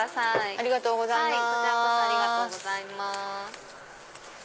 ありがとうございます。